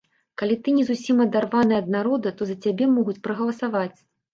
Калі ты не зусім адарваны ад народа, то за цябе могуць прагаласаваць.